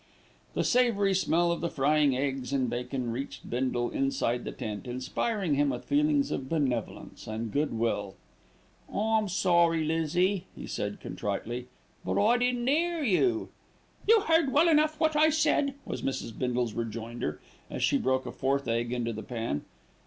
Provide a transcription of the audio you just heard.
The savoury smell of the frying eggs and bacon reached Bindle inside the tent, inspiring him with feelings of benevolence and good will. "I'm sorry, Lizzie," he said contritely, "but I didn't 'ear you." "You heard well enough what I said," was Mrs. Bindle's rejoinder, as she broke a fourth egg into the pan.